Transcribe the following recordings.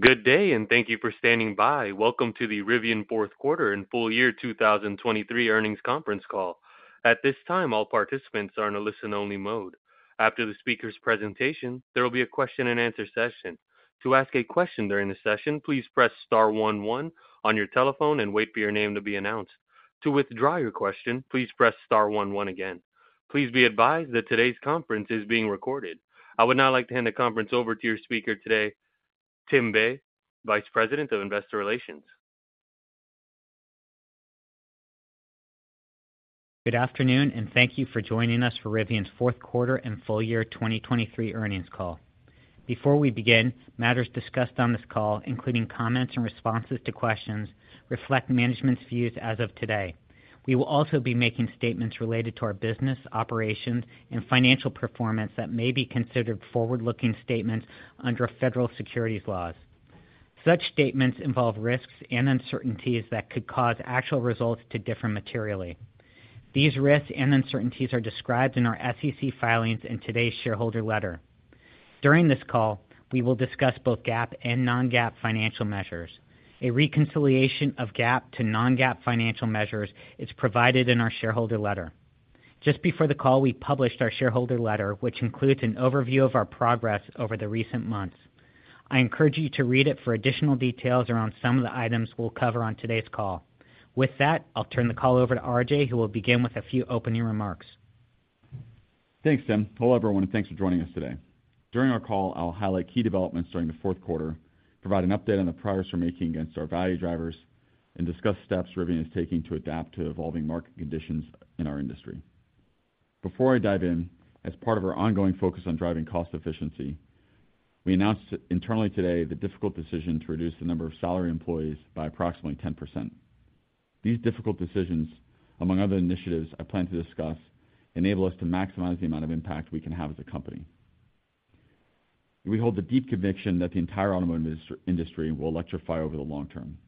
Good day and thank you for standing by. Welcome to the Rivian Fourth Quarter and Full Year 2023 Earnings Conference Call. At this time, all participants are in a listen-only mode. After the speaker's presentation, there will be a question-and-answer session. To ask a question during the session, please press star one one on your telephone and wait for your name to be announced. To withdraw your question, please press star one one again. Please be advised that today's conference is being recorded. I would now like to hand the conference over to your speaker today, Tim Bei, Vice President of Investor Relations. Good afternoon and thank you for joining us for Rivian's Fourth Quarter and Full Year 2023 Earnings Call. Before we begin, matters discussed on this call, including comments and responses to questions, reflect management's views as of today. We will also be making statements related to our business, operations, and financial performance that may be considered forward-looking statements under federal securities laws. Such statements involve risks and uncertainties that could cause actual results to differ materially. These risks and uncertainties are described in our SEC filings and today's shareholder letter. During this call, we will discuss both GAAP and non-GAAP financial measures. A reconciliation of GAAP to non-GAAP financial measures is provided in our shareholder letter. Just before the call, we published our shareholder letter, which includes an overview of our progress over the recent months. I encourage you to read it for additional details around some of the items we'll cover on today's call. With that, I'll turn the call over to RJ, who will begin with a few opening remarks. Thanks, Tim. Hello everyone, and thanks for joining us today. During our call, I'll highlight key developments during the fourth quarter, provide an update on the progress we're making against our value drivers, and discuss steps Rivian is taking to adapt to evolving market conditions in our industry. Before I dive in, as part of our ongoing focus on driving cost efficiency, we announced internally today the difficult decision to reduce the number of salaried employees by approximately 10%. These difficult decisions, among other initiatives I plan to discuss, enable us to maximize the amount of impact we can have as a company. We hold a deep conviction that the entire automotive industry will electrify over the long term.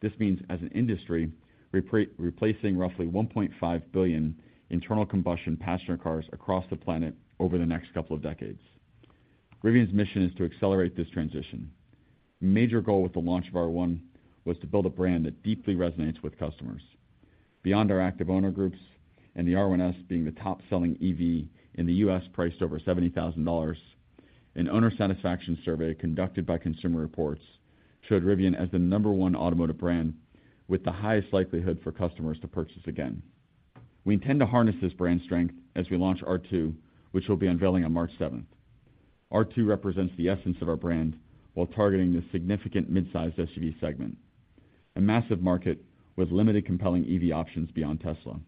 This means, as an industry, replacing roughly 1.5 billion internal combustion passenger cars across the planet over the next couple of decades. Rivian's mission is to accelerate this transition. A major goal with the launch of R1 was to build a brand that deeply resonates with customers. Beyond our active owner groups and the R1S being the top-selling EV in the U.S. priced over $70,000, an owner satisfaction survey conducted by Consumer Reports showed Rivian as the number one automotive brand with the highest likelihood for customers to purchase again. We intend to harness this brand strength as we launch R2, which we'll be unveiling on March 7th. R2 represents the essence of our brand while targeting the significant midsize SUV segment, a massive market with limited compelling EV options beyond Tesla.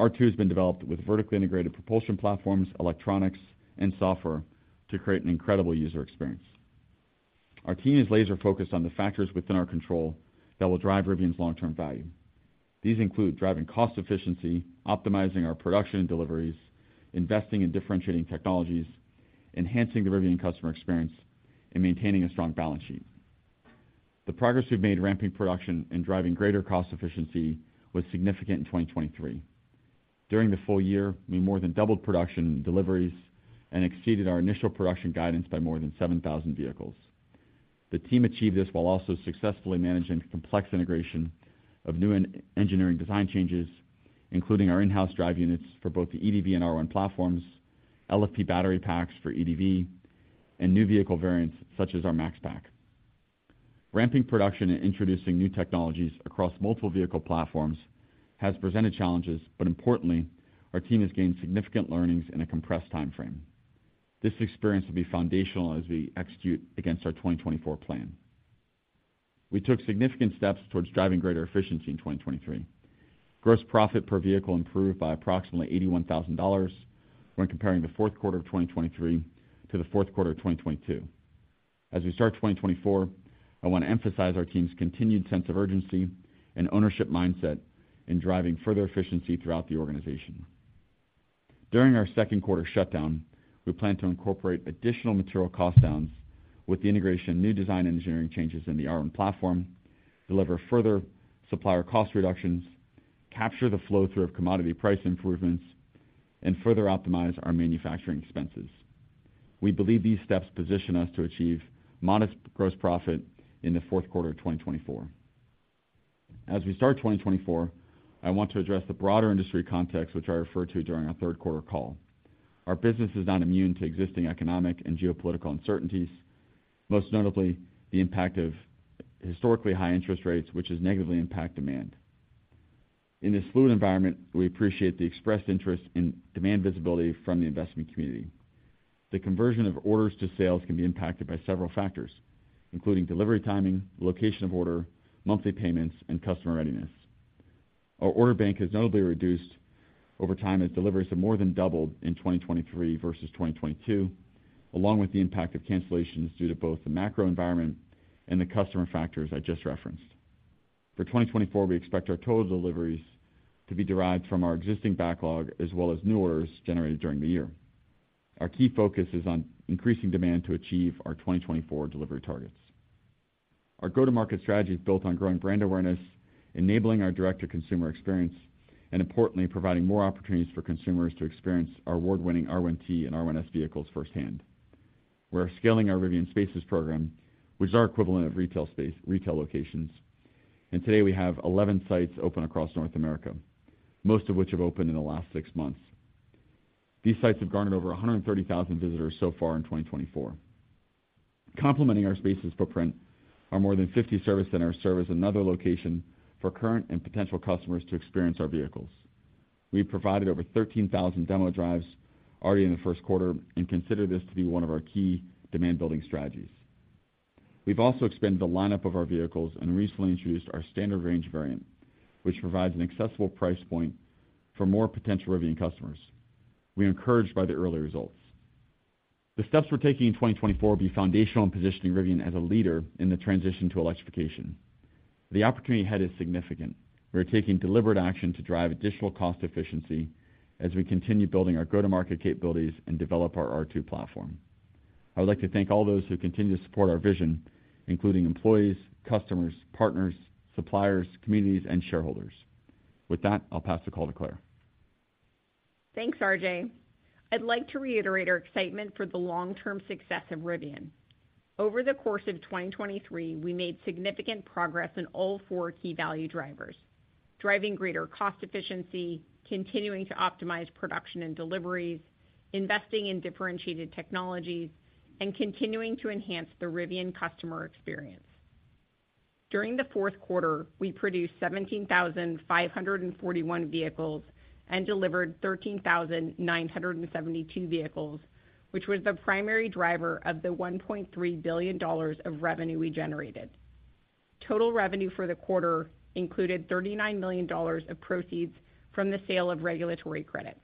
R2 has been developed with vertically integrated propulsion platforms, electronics, and software to create an incredible user experience. Our team is laser-focused on the factors within our control that will drive Rivian's long-term value. These include driving cost efficiency, optimizing our production and deliveries, investing in differentiating technologies, enhancing the Rivian customer experience, and maintaining a strong balance sheet. The progress we've made ramping production and driving greater cost efficiency was significant in 2023. During the full year, we more than doubled production and deliveries and exceeded our initial production guidance by more than 7,000 vehicles. The team achieved this while also successfully managing complex integration of new engineering design changes, including our in-house drive units for both the EDV and R1 platforms, LFP battery packs for EDV, and new vehicle variants such as our MaxPack. Ramping production and introducing new technologies across multiple vehicle platforms has presented challenges, but importantly, our team has gained significant learnings in a compressed time frame. This experience will be foundational as we execute against our 2024 plan. We took significant steps towards driving greater efficiency in 2023. Gross profit per vehicle improved by approximately $81,000 when comparing the fourth quarter of 2023 to the fourth quarter of 2022. As we start 2024, I want to emphasize our team's continued sense of urgency and ownership mindset in driving further efficiency throughout the organization. During our second quarter shutdown, we plan to incorporate additional material cost downs with the integration of new design engineering changes in the R1 platform, deliver further supplier cost reductions, capture the flow-through of commodity price improvements, and further optimize our manufacturing expenses. We believe these steps position us to achieve modest gross profit in the fourth quarter of 2024. As we start 2024, I want to address the broader industry context, which I referred to during our third quarter call. Our business is not immune to existing economic and geopolitical uncertainties, most notably the impact of historically high interest rates, which has negatively impacted demand. In this fluid environment, we appreciate the expressed interest in demand visibility from the investment community. The conversion of orders to sales can be impacted by several factors, including delivery timing, location of order, monthly payments, and customer readiness. Our order bank has notably reduced over time as deliveries have more than doubled in 2023 versus 2022, along with the impact of cancellations due to both the macro environment and the customer factors I just referenced. For 2024, we expect our total deliveries to be derived from our existing backlog as well as new orders generated during the year. Our key focus is on increasing demand to achieve our 2024 delivery targets. Our go-to-market strategy is built on growing brand awareness, enabling our direct-to-consumer experience, and importantly, providing more opportunities for consumers to experience our award-winning R1T and R1S vehicles firsthand. We are scaling our Rivian Spaces program, which is our equivalent of retail locations, and today we have 11 sites open across North America, most of which have opened in the last six months. These sites have garnered over 130,000 visitors so far in 2024. Complementing our Spaces footprint, our more than 50 service centers serve as another location for current and potential customers to experience our vehicles. We provided over 13,000 demo drives already in the first quarter and consider this to be one of our key demand-building strategies. We've also expanded the lineup of our vehicles and recently introduced our standard range variant, which provides an accessible price point for more potential Rivian customers. We're encouraged by the early results. The steps we're taking in 2024 will be foundational in positioning Rivian as a leader in the transition to electrification. The opportunity ahead is significant. We are taking deliberate action to drive additional cost efficiency as we continue building our go-to-market capabilities and develop our R2 platform. I would like to thank all those who continue to support our vision, including employees, customers, partners, suppliers, communities, and shareholders. With that, I'll pass the call to Claire. Thanks, RJ. I'd like to reiterate our excitement for the long-term success of Rivian. Over the course of 2023, we made significant progress in all four key value drivers: driving greater cost efficiency, continuing to optimize production and deliveries, investing in differentiated technologies, and continuing to enhance the Rivian customer experience. During the fourth quarter, we produced 17,541 vehicles and delivered 13,972 vehicles, which was the primary driver of the $1.3 billion of revenue we generated. Total revenue for the quarter included $39 million of proceeds from the sale of regulatory credits.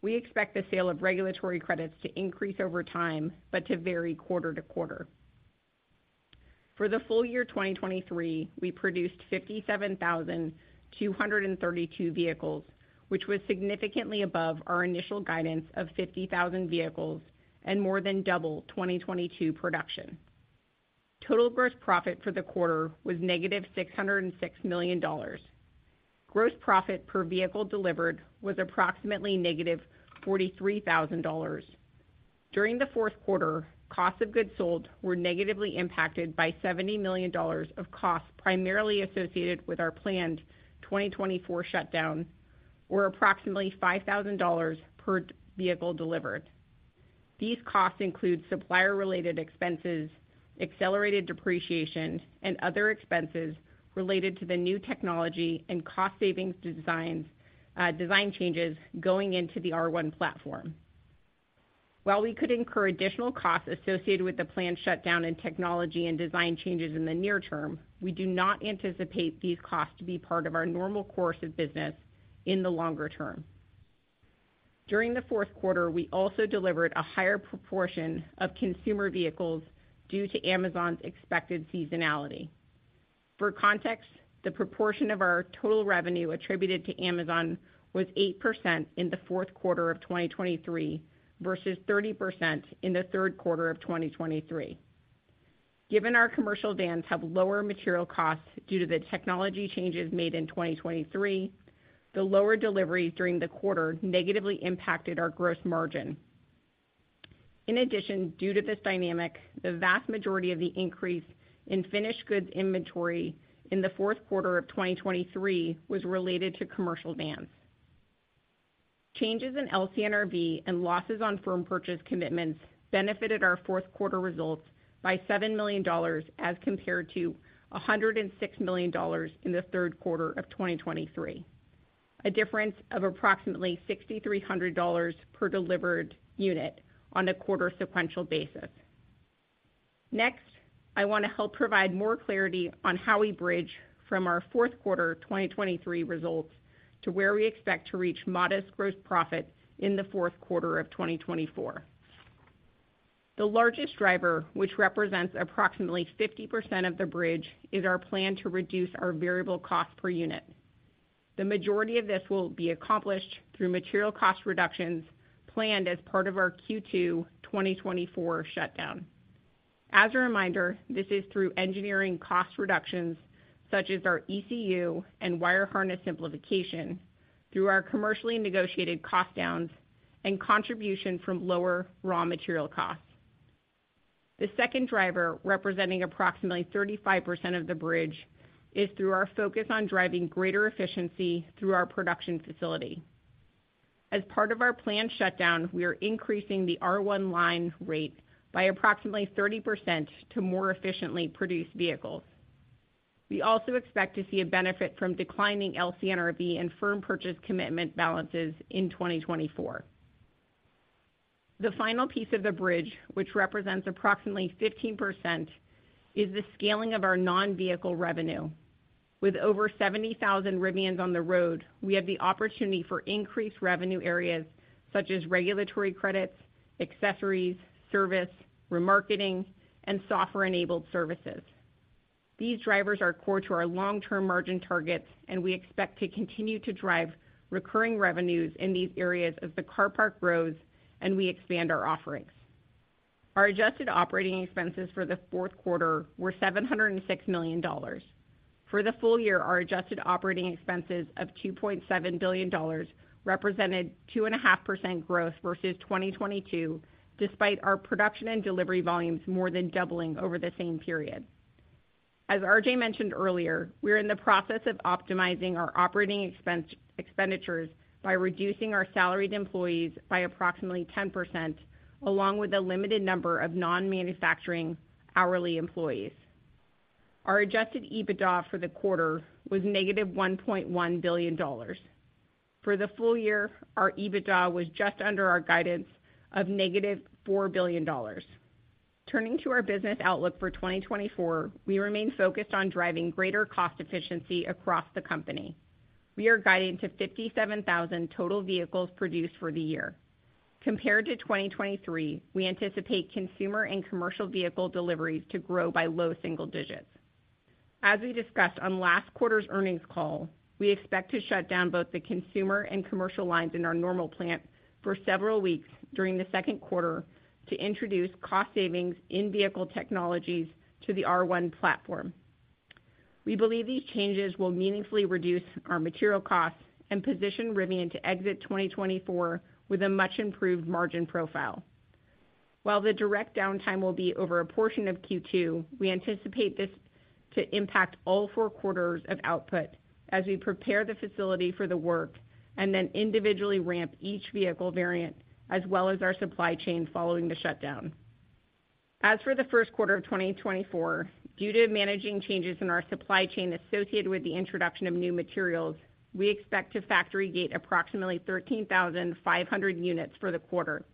We expect the sale of regulatory credits to increase over time but to vary quarter to quarter. For the full year 2023, we produced 57,232 vehicles, which was significantly above our initial guidance of 50,000 vehicles and more than double 2022 production. Total gross profit for the quarter was $606 million. Gross profit per vehicle delivered was approximately $43,000. During the fourth quarter, costs of goods sold were negatively impacted by $70 million of costs primarily associated with our planned 2024 shutdown, or approximately $5,000 per vehicle delivered. These costs include supplier-related expenses, accelerated depreciation, and other expenses related to the new technology and cost-saving design changes going into the R1 platform. While we could incur additional costs associated with the planned shutdown and technology and design changes in the near term, we do not anticipate these costs to be part of our normal course of business in the longer term. During the fourth quarter, we also delivered a higher proportion of consumer vehicles due to Amazon's expected seasonality. For context, the proportion of our total revenue attributed to Amazon was 8% in the fourth quarter of 2023 versus 30% in the third quarter of 2023. Given our commercial vans have lower material costs due to the technology changes made in 2023, the lower deliveries during the quarter negatively impacted our gross margin. In addition, due to this dynamic, the vast majority of the increase in finished goods inventory in the fourth quarter of 2023 was related to commercial vans. Changes in LCNRV and losses on firm purchase commitments benefited our fourth quarter results by $7 million as compared to $106 million in the third quarter of 2023, a difference of approximately $6,300 per delivered unit on a quarter-sequential basis. Next, I want to help provide more clarity on how we bridge from our fourth quarter 2023 results to where we expect to reach modest gross profit in the fourth quarter of 2024. The largest driver, which represents approximately 50% of the bridge, is our plan to reduce our variable cost per unit. The majority of this will be accomplished through material cost reductions planned as part of our Q2 2024 shutdown. As a reminder, this is through engineering cost reductions such as our ECU and wire harness simplification, through our commercially negotiated cost downs, and contribution from lower raw material costs. The second driver, representing approximately 35% of the bridge, is through our focus on driving greater efficiency through our production facility. As part of our planned shutdown, we are increasing the R1 line rate by approximately 30% to more efficiently produce vehicles. We also expect to see a benefit from declining LC&RV and firm purchase commitment balances in 2024. The final piece of the bridge, which represents approximately 15%, is the scaling of our non-vehicle revenue. With over 70,000 Rivians on the road, we have the opportunity for increased revenue areas such as regulatory credits, accessories, service, remarketing, and software-enabled services. These drivers are core to our long-term margin targets, and we expect to continue to drive recurring revenues in these areas as the car park grows and we expand our offerings. Our adjusted operating expenses for the fourth quarter were $706 million. For the full year, our adjusted operating expenses of $2.7 billion represented 2.5% growth versus 2022, despite our production and delivery volumes more than doubling over the same period. As RJ mentioned earlier, we're in the process of optimizing our operating expenditures by reducing our salaried employees by approximately 10%, along with a limited number of non-manufacturing hourly employees. Our adjusted EBITDA for the quarter was -$1.1 billion. For the full year, our EBITDA was just under our guidance of -$4 billion. Turning to our business outlook for 2024, we remain focused on driving greater cost efficiency across the company. We are guiding to 57,000 total vehicles produced for the year. Compared to 2023, we anticipate consumer and commercial vehicle deliveries to grow by low single digits. As we discussed on last quarter's earnings call, we expect to shut down both the consumer and commercial lines in our Normal plant for several weeks during the second quarter to introduce cost savings in vehicle technologies to the R1 platform. We believe these changes will meaningfully reduce our material costs and position Rivian to exit 2024 with a much-improved margin profile. While the direct downtime will be over a portion of Q2, we anticipate this to impact all four quarters of output as we prepare the facility for the work and then individually ramp each vehicle variant as well as our supply chain following the shutdown. As for the first quarter of 2024, due to managing changes in our supply chain associated with the introduction of new materials, we expect to factory gate approximately 13,500 units for the quarter.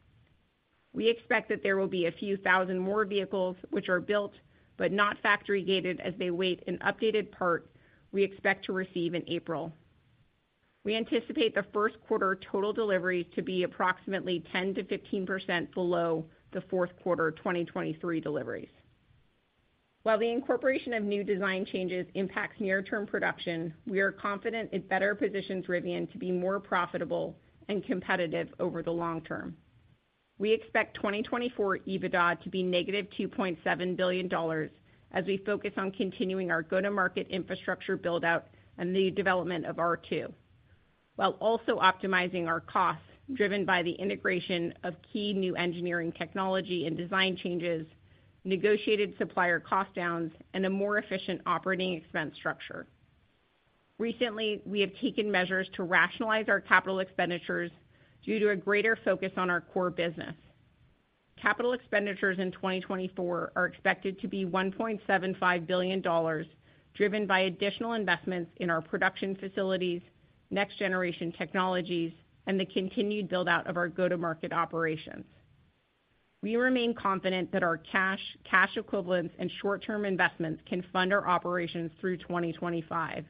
We expect that there will be a few thousand more vehicles, which are built but not factory gated as they wait an updated part we expect to receive in April. We anticipate the first quarter total deliveries to be approximately 10%-15% below the fourth quarter 2023 deliveries. While the incorporation of new design changes impacts near-term production, we are confident it better positions Rivian to be more profitable and competitive over the long term. We expect 2024 EBITDA to be -$2.7 billion as we focus on continuing our go-to-market infrastructure buildout and the development of R2, while also optimizing our costs driven by the integration of key new engineering technology and design changes, negotiated supplier cost downs, and a more efficient operating expense structure. Recently, we have taken measures to rationalize our capital expenditures due to a greater focus on our core business. Capital expenditures in 2024 are expected to be $1.75 billion driven by additional investments in our production facilities, next-generation technologies, and the continued buildout of our go-to-market operations. We remain confident that our cash, cash equivalents, and short-term investments can fund our operations through 2025.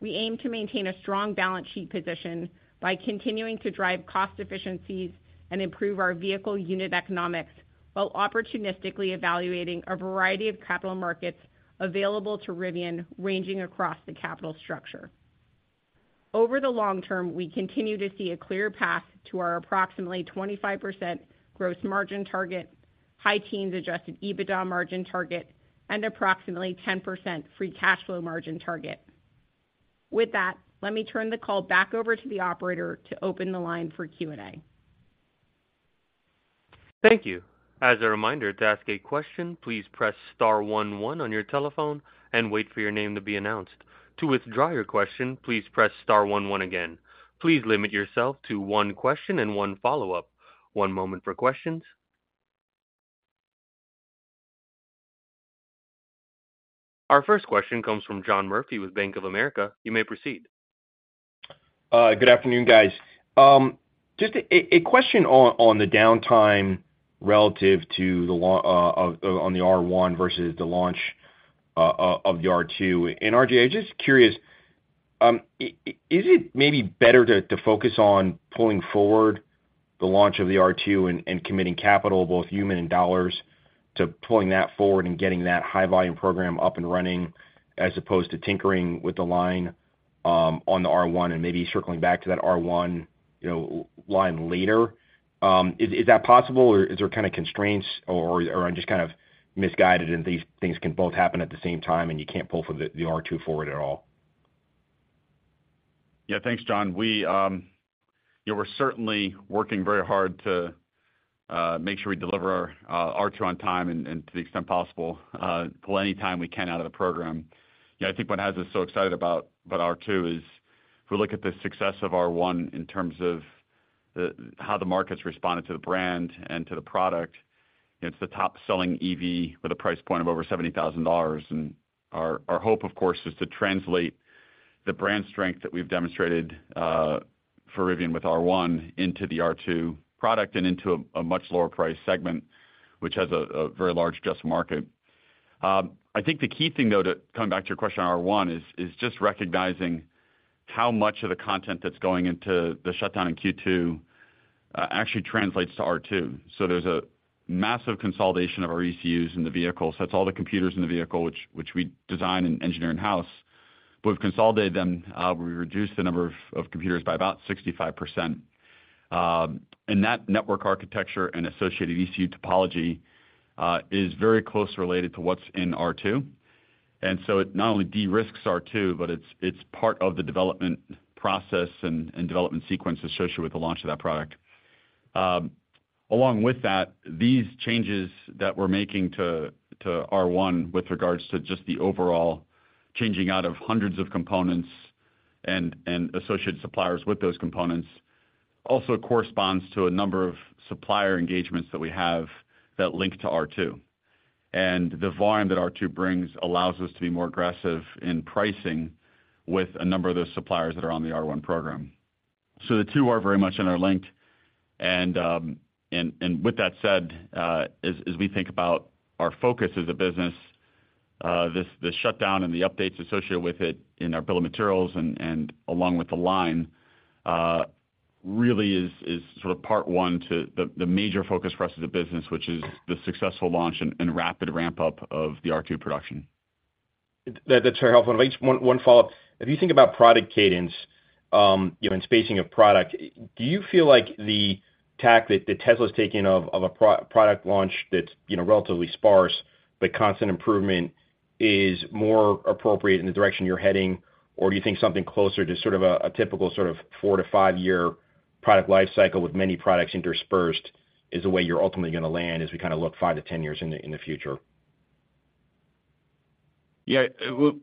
We aim to maintain a strong balance sheet position by continuing to drive cost efficiencies and improve our vehicle unit economics while opportunistically evaluating a variety of capital markets available to Rivian ranging across the capital structure. Over the long term, we continue to see a clear path to our approximately 25% gross margin target, high teens Adjusted EBITDA margin target, and approximately 10% free cash flow margin target. With that, let me turn the call back over to the operator to open the line for Q&A. Thank you. As a reminder, to ask a question, please press star 11 on your telephone and wait for your name to be announced. To withdraw your question, please press star 11 again. Please limit yourself to one question and one follow-up. One moment for questions. Our first question comes from John Murphy with Bank of America. You may proceed. Good afternoon, guys. Just a question on the downtime relative to the R1 versus the launch of the R2. And RJ, I'm just curious, is it maybe better to focus on pulling forward the launch of the R2 and committing capital, both human and dollars, to pulling that forward and getting that high-volume program up and running as opposed to tinkering with the line on the R1 and maybe circling back to that R1 line later? Is that possible, or is there kind of constraints, or am I just kind of misguided and these things can both happen at the same time and you can't pull the R2 forward at all? Yeah, thanks, John. We're certainly working very hard to make sure we deliver our R2 on time and to the extent possible, pull any time we can out of the program. I think what has us so excited about R2 is if we look at the success of R1 in terms of how the market's responded to the brand and to the product, it's the top-selling EV with a price point of over $70,000. Our hope, of course, is to translate the brand strength that we've demonstrated for Rivian with R1 into the R2 product and into a much lower price segment, which has a very large adjusted market. I think the key thing, though, to coming back to your question on R1 is just recognizing how much of the content that's going into the shutdown in Q2 actually translates to R2. So there's a massive consolidation of our ECUs in the vehicle. So that's all the computers in the vehicle, which we design and engineer in-house. But we've consolidated them. We reduced the number of computers by about 65%. And that network architecture and associated ECU topology is very closely related to what's in R2. And so it not only de-risks R2, but it's part of the development process and development sequence associated with the launch of that product. Along with that, these changes that we're making to R1 with regards to just the overall changing out of hundreds of components and associated suppliers with those components also corresponds to a number of supplier engagements that we have that link to R2. And the volume that R2 brings allows us to be more aggressive in pricing with a number of those suppliers that are on the R1 program. The two are very much interlinked. With that said, as we think about our focus as a business, the shutdown and the updates associated with it in our Bill of Materials and along with the line really is sort of part one to the major focus for us as a business, which is the successful launch and rapid ramp-up of the R2 production. That's very helpful. One follow-up. If you think about product cadence and spacing of product, do you feel like the tack that Tesla's taken of a product launch that's relatively sparse but constant improvement is more appropriate in the direction you're heading, or do you think something closer to sort of a typical sort of 4- to 5-year product lifecycle with many products interspersed is the way you're ultimately going to land as we kind of look 5- to 10 years in the future? Yeah.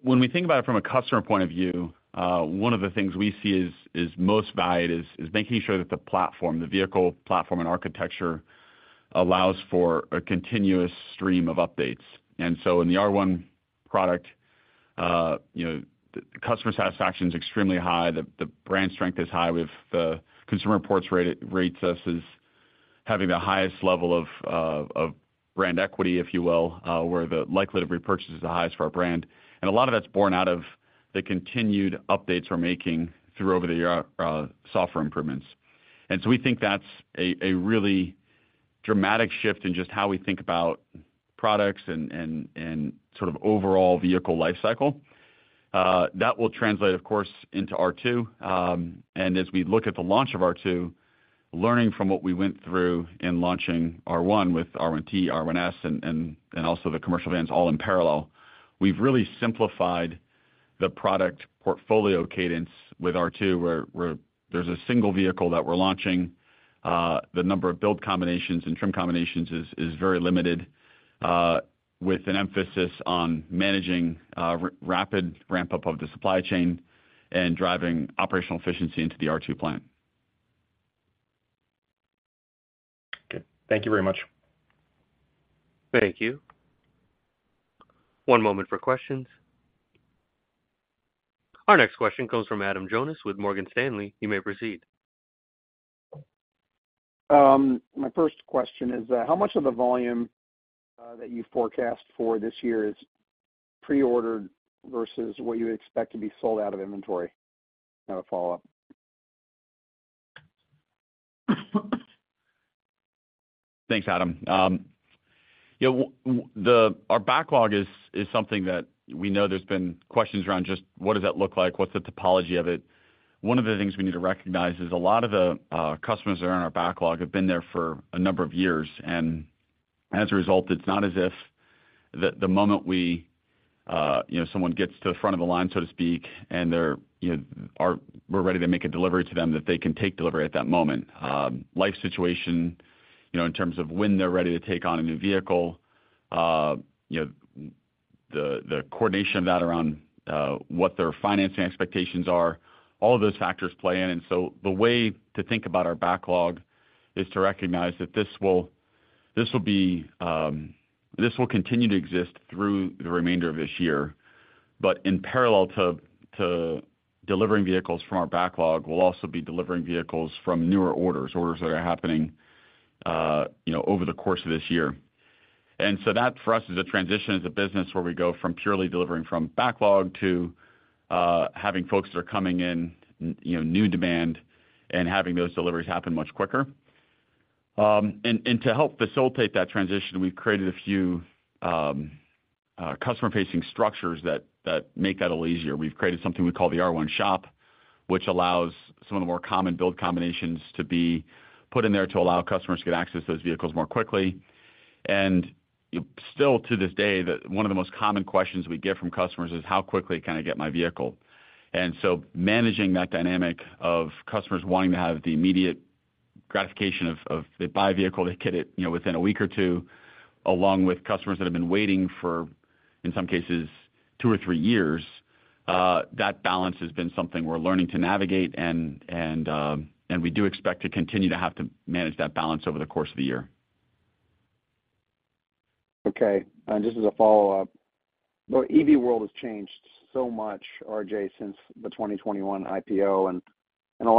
When we think about it from a customer point of view, one of the things we see as most valued is making sure that the platform, the vehicle platform and architecture, allows for a continuous stream of updates. And so in the R1 product, the customer satisfaction is extremely high. The brand strength is high. Consumer Reports rate us as having the highest level of brand equity, if you will, where the likelihood of repurchase is the highest for our brand. And a lot of that's born out of the continued updates we're making through over-the-air software improvements. And so we think that's a really dramatic shift in just how we think about products and sort of overall vehicle lifecycle. That will translate, of course, into R2. As we look at the launch of R2, learning from what we went through in launching R1 with R1T, R1S, and also the commercial vans all in parallel, we've really simplified the product portfolio cadence with R2 where there's a single vehicle that we're launching. The number of build combinations and trim combinations is very limited, with an emphasis on managing rapid ramp-up of the supply chain and driving operational efficiency into the R2 plant. Okay. Thank you very much. Thank you. One moment for questions. Our next question comes from Adam Jonas with Morgan Stanley. You may proceed. My first question is, how much of the volume that you forecast for this year is pre-ordered versus what you expect to be sold out of inventory? That's a follow-up. Thanks, Adam. Our backlog is something that we know there's been questions around just what does that look like? What's the topology of it? One of the things we need to recognize is a lot of the customers that are on our backlog have been there for a number of years. And as a result, it's not as if the moment someone gets to the front of the line, so to speak, and we're ready to make a delivery to them, that they can take delivery at that moment. Life situation in terms of when they're ready to take on a new vehicle, the coordination of that around what their financing expectations are, all of those factors play in. And so the way to think about our backlog is to recognize that this will continue to exist through the remainder of this year. But in parallel to delivering vehicles from our backlog, we'll also be delivering vehicles from newer orders, orders that are happening over the course of this year. And so that, for us, is a transition as a business where we go from purely delivering from backlog to having folks that are coming in, new demand, and having those deliveries happen much quicker. And to help facilitate that transition, we've created a few customer-facing structures that make that a little easier. We've created something we call the R1 shop, which allows some of the more common build combinations to be put in there to allow customers to get access to those vehicles more quickly. Still to this day, one of the most common questions we get from customers is, "How quickly can I get my vehicle?" So managing that dynamic of customers wanting to have the immediate gratification of they buy a vehicle, they get it within a week or two, along with customers that have been waiting for, in some cases, two or three years, that balance has been something we're learning to navigate. We do expect to continue to have to manage that balance over the course of the year. Okay. And just as a follow-up, the EV world has changed so much, RJ, since the 2021 IPO and in a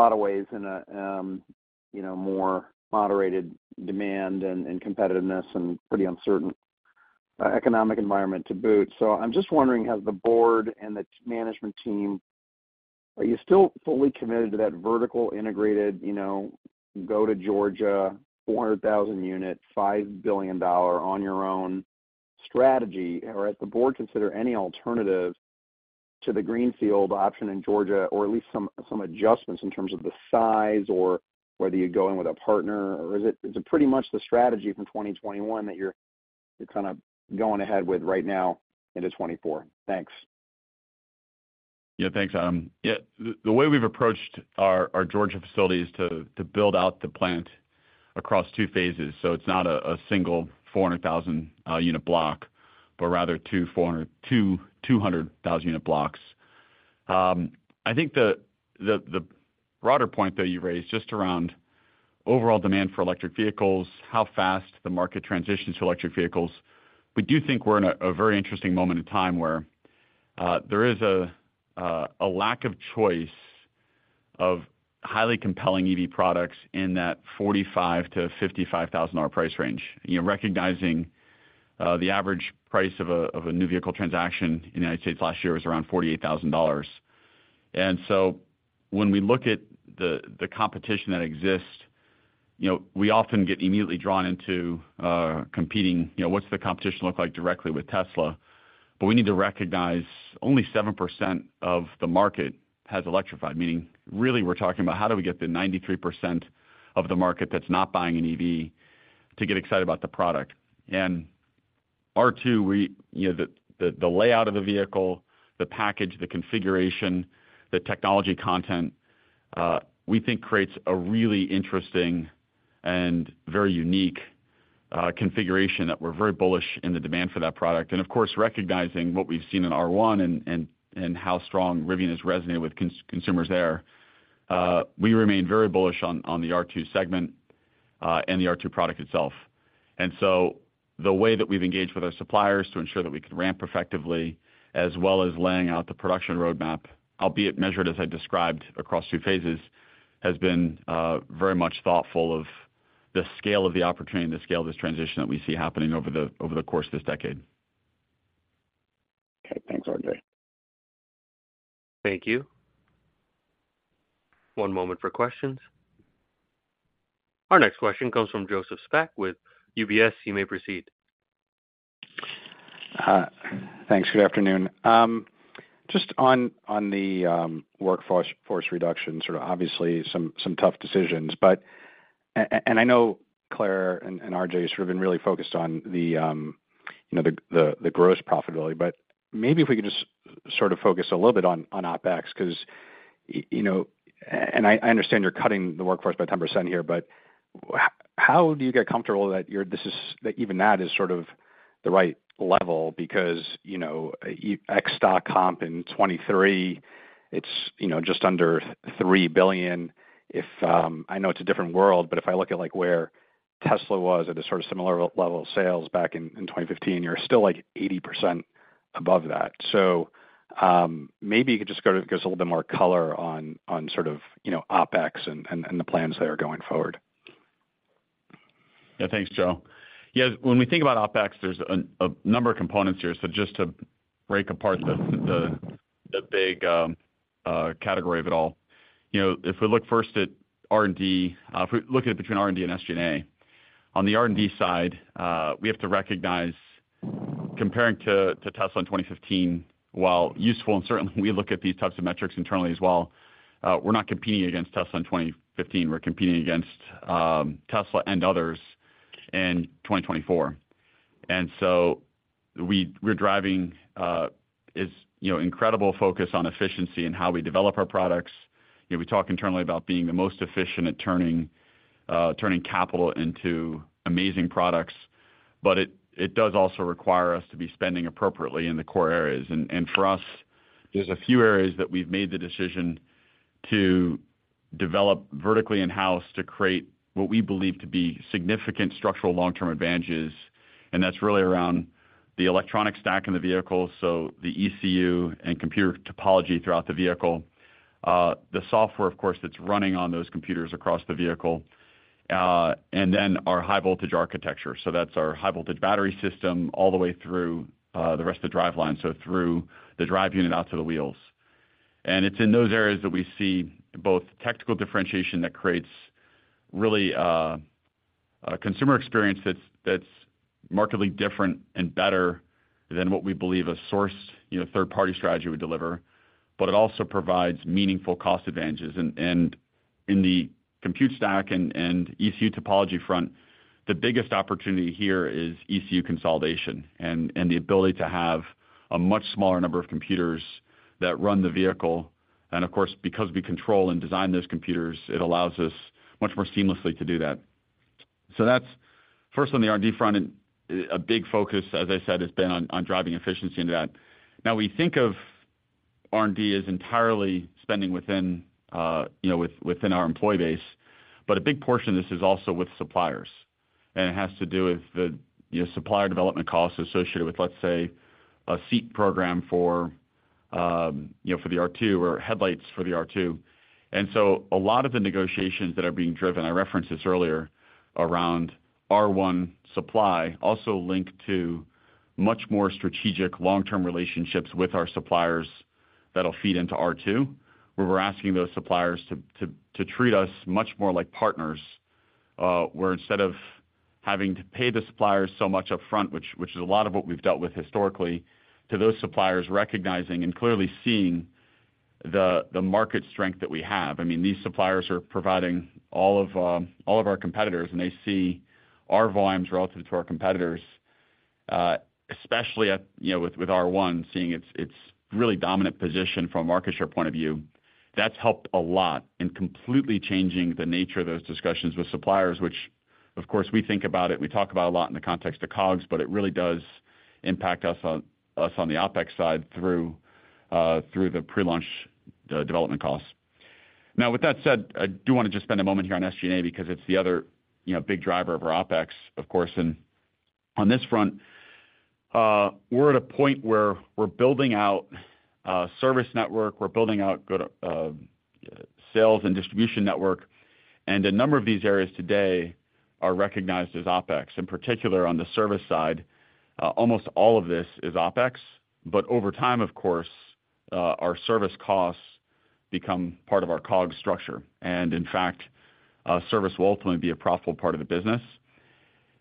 lot of ways in a more moderated demand and competitiveness and pretty uncertain economic environment to boot. So I'm just wondering, has the board and the management team, are you still fully committed to that vertically integrated, go to Georgia, 400,000-unit, $5 billion on your own strategy, or has the board considered any alternative to the greenfield option in Georgia or at least some adjustments in terms of the size or whether you're going with a partner? Or is it pretty much the strategy from 2021 that you're kind of going ahead with right now into 2024? Thanks. Yeah, thanks, Adam. Yeah, the way we've approached our Georgia facilities is to build out the plant across two phases. So it's not a single 400,000-unit block, but rather two 200,000-unit blocks. I think the broader point that you raised, just around overall demand for electric vehicles, how fast the market transitions to electric vehicles, we do think we're in a very interesting moment in time where there is a lack of choice of highly compelling EV products in that $45,000-$55,000 price range, recognizing the average price of a new vehicle transaction in the United States last year was around $48,000. And so when we look at the competition that exists, we often get immediately drawn into competing, what's the competition look like directly with Tesla? But we need to recognize only 7% of the market has electrified, meaning really we're talking about how do we get the 93% of the market that's not buying an EV to get excited about the product? And R2, the layout of the vehicle, the package, the configuration, the technology content, we think creates a really interesting and very unique configuration that we're very bullish in the demand for that product. And of course, recognizing what we've seen in R1 and how strong Rivian has resonated with consumers there, we remain very bullish on the R2 segment and the R2 product itself. And so the way that we've engaged with our suppliers to ensure that we can ramp effectively, as well as laying out the production roadmap, albeit measured, as I described, across two phases, has been very much thoughtful of the scale of the opportunity and the scale of this transition that we see happening over the course of this decade. Okay. Thanks, RJ. Thank you. One moment for questions. Our next question comes from Joseph Spak with UBS. You may proceed. Thanks. Good afternoon. Just on the workforce reduction, sort of obviously some tough decisions. I know Claire and RJ have sort of been really focused on the gross profitability. But maybe if we could just sort of focus a little bit on OpEx because I understand you're cutting the workforce by 10% here, but how do you get comfortable that even that is sort of the right level? Because X stock comp in 2023, it's just under $3 billion. I know it's a different world, but if I look at where Tesla was at a sort of similar level of sales back in 2015, you're still 80% above that. So maybe you could just go to give us a little bit more color on sort of OpEx and the plans there going forward. Yeah, thanks, Joe. Yeah, when we think about OpEx, there's a number of components here. So just to break apart the big category of it all, if we look first at R&D, if we look at it between R&D and SG&A, on the R&D side, we have to recognize comparing to Tesla in 2015, while useful and certainly we look at these types of metrics internally as well, we're not competing against Tesla in 2015. We're competing against Tesla and others in 2024. And so we're driving incredible focus on efficiency and how we develop our products. We talk internally about being the most efficient at turning capital into amazing products. But it does also require us to be spending appropriately in the core areas. And for us, there's a few areas that we've made the decision to develop vertically in-house to create what we believe to be significant structural long-term advantages. That's really around the electronic stack in the vehicle, so the ECU and computer topology throughout the vehicle, the software, of course, that's running on those computers across the vehicle, and then our high-voltage architecture. That's our high-voltage battery system all the way through the rest of the driveline, so through the drive unit out to the wheels. It's in those areas that we see both technical differentiation that creates really a consumer experience that's markedly different and better than what we believe a sourced third-party strategy would deliver. It also provides meaningful cost advantages. In the compute stack and ECU topology front, the biggest opportunity here is ECU consolidation and the ability to have a much smaller number of computers that run the vehicle. Of course, because we control and design those computers, it allows us much more seamlessly to do that. That's first on the R&D front. A big focus, as I said, has been on driving efficiency into that. Now, we think of R&D as entirely spending within our employee base, but a big portion of this is also with suppliers. It has to do with the supplier development costs associated with, let's say, a seat program for the R2 or headlights for the R2. So a lot of the negotiations that are being driven, I referenced this earlier, around R1 supply also link to much more strategic long-term relationships with our suppliers that'll feed into R2, where we're asking those suppliers to treat us much more like partners, where instead of having to pay the suppliers so much upfront, which is a lot of what we've dealt with historically, to those suppliers recognizing and clearly seeing the market strength that we have. I mean, these suppliers are providing all of our competitors, and they see our volumes relative to our competitors, especially with R1, seeing it's really dominant position from a market share point of view. That's helped a lot in completely changing the nature of those discussions with suppliers, which, of course, we think about it. We talk about it a lot in the context of COGS, but it really does impact us on the OpEx side through the pre-launch development costs. Now, with that said, I do want to just spend a moment here on SG&A because it's the other big driver of our OpEx, of course. On this front, we're at a point where we're building out a service network. We're building out a sales and distribution network. And a number of these areas today are recognized as OpEx. In particular, on the service side, almost all of this is OpEx. But over time, of course, our service costs become part of our COGS structure. And in fact, service will ultimately be a profitable part of the business.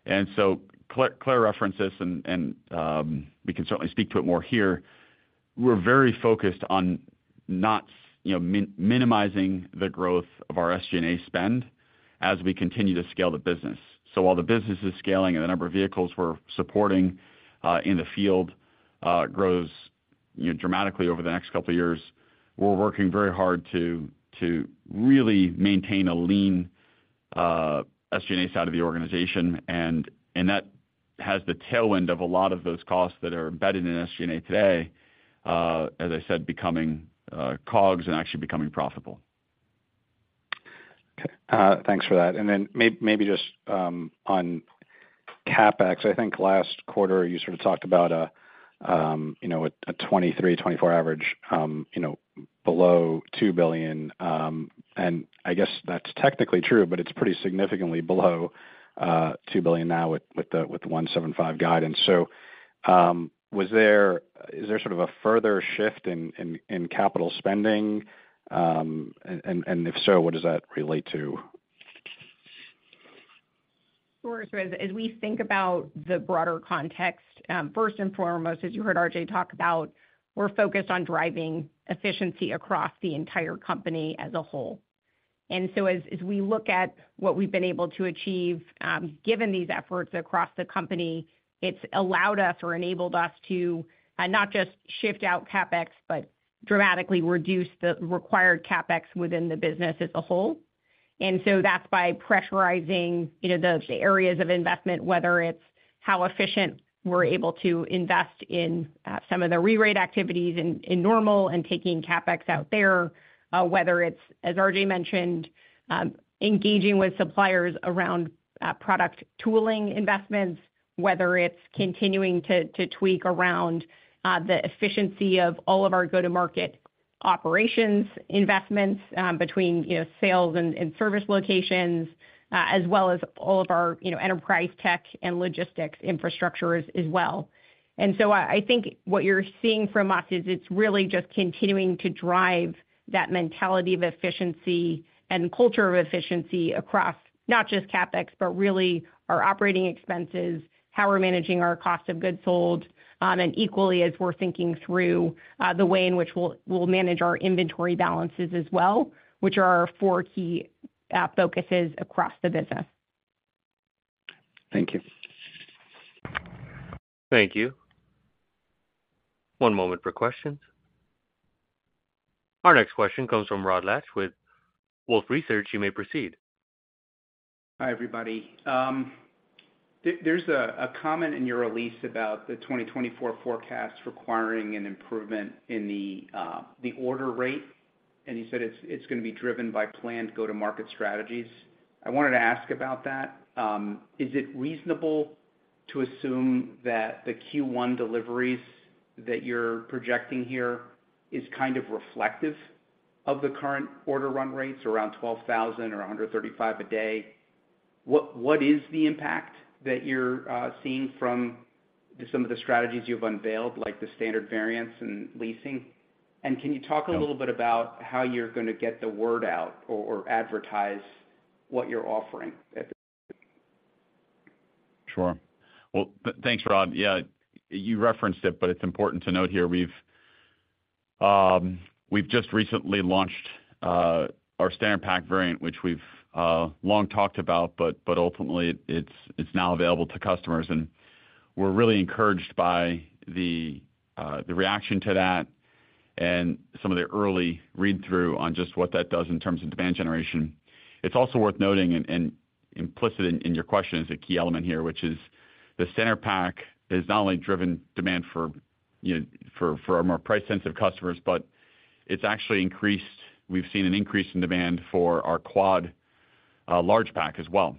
And so Claire references, and we can certainly speak to it more here, we're very focused on not minimizing the growth of our SG&A spend as we continue to scale the business. So while the business is scaling and the number of vehicles we're supporting in the field grows dramatically over the next couple of years, we're working very hard to really maintain a lean SG&A side of the organization. And that has the tailwind of a lot of those costs that are embedded in SG&A today, as I said, becoming COGS and actually becoming profitable. Okay. Thanks for that. Then maybe just on CapEx, I think last quarter, you sort of talked about a 2023, 2024 average below $2 billion. I guess that's technically true, but it's pretty significantly below $2 billion now with the $175 guidance. So is there sort of a further shift in capital spending? And if so, what does that relate to? Sure. So as we think about the broader context, first and foremost, as you heard RJ talk about, we're focused on driving efficiency across the entire company as a whole. And so as we look at what we've been able to achieve, given these efforts across the company, it's allowed us or enabled us to not just shift out CapEx, but dramatically reduce the required CapEx within the business as a whole. And so that's by pressurizing the areas of investment, whether it's how efficient we're able to invest in some of the re-rate activities in Normal and taking CapEx out there, whether it's, as RJ mentioned, engaging with suppliers around product tooling investments, whether it's continuing to tweak around the efficiency of all of our go-to-market operations investments between sales and service locations, as well as all of our enterprise tech and logistics infrastructure as well. And so I think what you're seeing from us is it's really just continuing to drive that mentality of efficiency and culture of efficiency across not just CapEx, but really our operating expenses, how we're managing our cost of goods sold, and equally as we're thinking through the way in which we'll manage our inventory balances as well, which are our four key focuses across the business. Thank you. Thank you. One moment for questions. Our next question comes from Rod Lache with Wolfe Research. You may proceed. Hi, everybody. There's a comment in your release about the 2024 forecast requiring an improvement in the order rate. You said it's going to be driven by planned go-to-market strategies. I wanted to ask about that. Is it reasonable to assume that the Q1 deliveries that you're projecting here is kind of reflective of the current order run rates around 12,000 or 135 a day? What is the impact that you're seeing from some of the strategies you've unveiled, like the standard variants and leasing? Can you talk a little bit about how you're going to get the word out or advertise what you're offering at this point? Sure. Well, thanks, Rod. Yeah, you referenced it, but it's important to note here, we've just recently launched our Standard Pack variant, which we've long talked about, but ultimately, it's now available to customers. And we're really encouraged by the reaction to that and some of the early read-through on just what that does in terms of demand generation. It's also worth noting and implicit in your question is a key element here, which is the Standard Pack is not only driven demand for our more price-sensitive customers, but it's actually increased. We've seen an increase in demand for our quad Large Pack as well.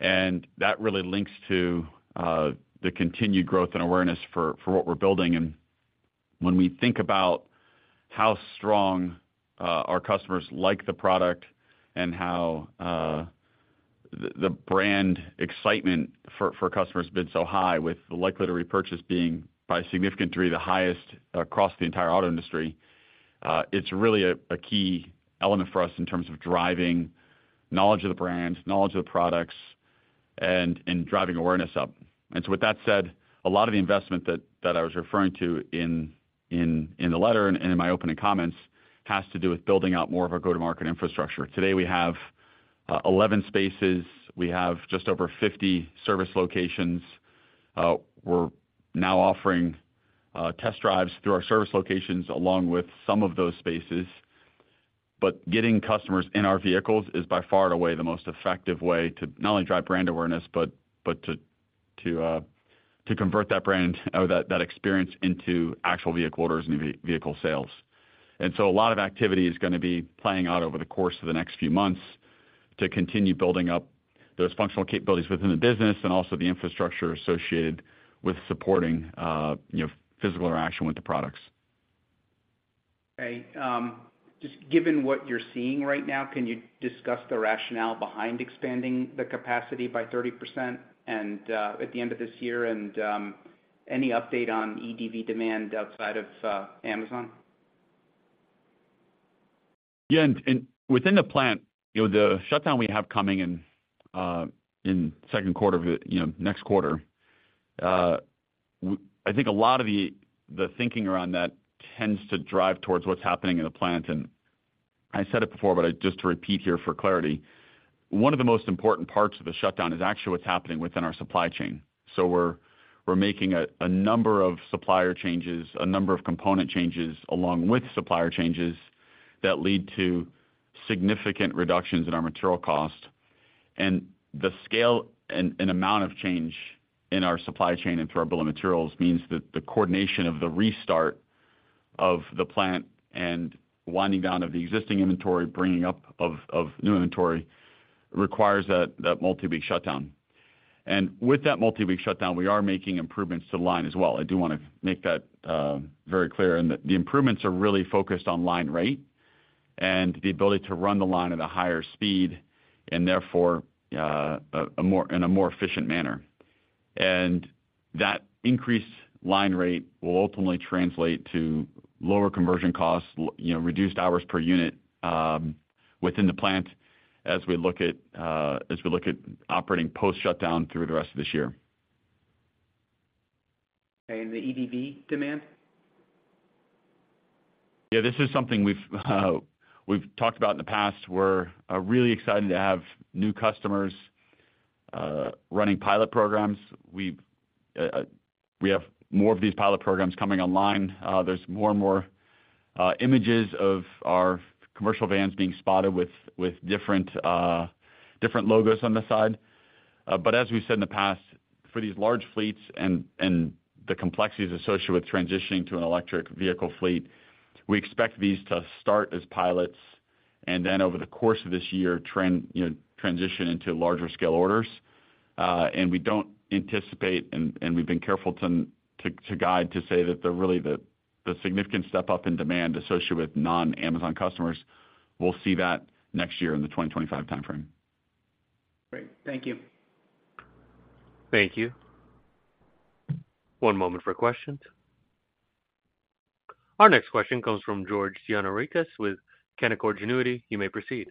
And that really links to the continued growth and awareness for what we're building. When we think about how strong our customers like the product and how the brand excitement for customers has been so high, with the likelihood of repurchase being, by a significant degree, the highest across the entire auto industry, it's really a key element for us in terms of driving knowledge of the brands, knowledge of the products, and driving awareness up. So with that said, a lot of the investment that I was referring to in the letter and in my opening comments has to do with building out more of our go-to-market infrastructure. Today, we have 11 spaces. We have just over 50 service locations. We're now offering test drives through our service locations along with some of those spaces. But getting customers in our vehicles is by far and away the most effective way to not only drive brand awareness, but to convert that brand or that experience into actual vehicle orders and vehicle sales. And so a lot of activity is going to be playing out over the course of the next few months to continue building up those functional capabilities within the business and also the infrastructure associated with supporting physical interaction with the products. Great. Just given what you're seeing right now, can you discuss the rationale behind expanding the capacity by 30% at the end of this year and any update on EDV demand outside of Amazon? Yeah. And within the plant, the shutdown we have coming in second quarter of next quarter, I think a lot of the thinking around that tends to drive towards what's happening in the plant. And I said it before, but just to repeat here for clarity, one of the most important parts of the shutdown is actually what's happening within our supply chain. So we're making a number of supplier changes, a number of component changes along with supplier changes that lead to significant reductions in our material cost. And the scale and amount of change in our supply chain and through our Bill of Materials means that the coordination of the restart of the plant and winding down of the existing inventory, bringing up of new inventory, requires that multi-week shutdown. And with that multi-week shutdown, we are making improvements to the line as well. I do want to make that very clear. The improvements are really focused on line rate and the ability to run the line at a higher speed and therefore in a more efficient manner. That increased line rate will ultimately translate to lower conversion costs, reduced hours per unit within the plant as we look at operating post-shutdown through the rest of this year. And the EDV demand? Yeah, this is something we've talked about in the past. We're really excited to have new customers running pilot programs. We have more of these pilot programs coming online. There's more and more images of our commercial vans being spotted with different logos on the side. But as we've said in the past, for these large fleets and the complexities associated with transitioning to an electric vehicle fleet, we expect these to start as pilots and then over the course of this year transition into larger-scale orders. And we don't anticipate and we've been careful to guide to say that really the significant step up in demand associated with non-Amazon customers, we'll see that next year in the 2025 timeframe. Great. Thank you. Thank you. One moment for questions. Our next question comes from George Gianarikas with Canaccord Genuity. You may proceed.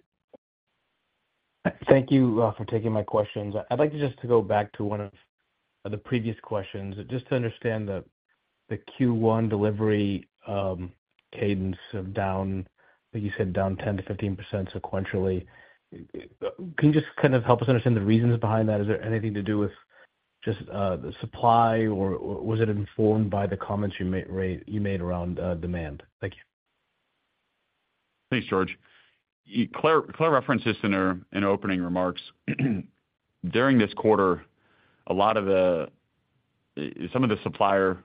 Thank you for taking my questions. I'd like to just go back to one of the previous questions. Just to understand the Q1 delivery cadence of down, like you said, down 10%-15% sequentially, can you just kind of help us understand the reasons behind that? Is there anything to do with just the supply, or was it informed by the comments you made around demand? Thank you. Thanks, George. Claire references in her opening remarks, during this quarter, some of the supplier